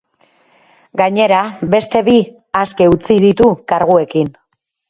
Gainera, beste bi aske utzi ditu, karguekin.